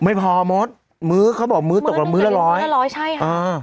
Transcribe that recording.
ไม่พอโม๊ตมื้อเขาบอกมื้อตกละมื้อละร้อยมื้อตกละมื้อละร้อยใช่ค่ะอ่า